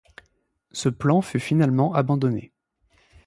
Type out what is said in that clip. Ce plan fut finalement abandonné.